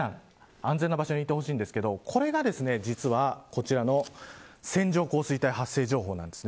安全な場所に行ってほしいんですけどこれが実はこちらの線状降水帯発生情報なんです。